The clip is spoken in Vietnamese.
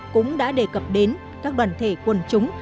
cũng đã đề cập đến các đoàn thể quần chúng